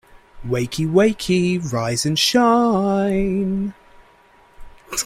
Wakey, wakey! Rise and shine!